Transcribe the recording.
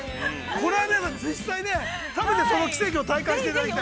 これは実際、食べて、その奇跡を体感していただきたい。